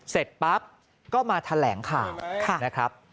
เสร็จปั๊บก็มาแถลงข่าวนะครับ